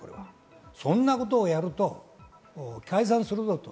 そんなことをやると解散するぞと。